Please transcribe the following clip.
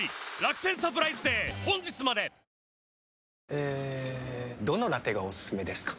えどのラテがおすすめですか？